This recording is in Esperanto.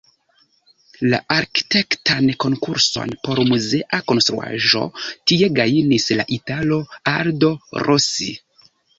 La arkitektan konkurson por muzea konstruaĵo tie gajnis la italo "Aldo Rossi".